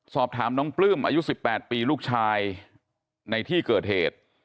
สอบถามน้องปลื้มอายุ๑๘ปีลูกชายในที่เกิดเหตุ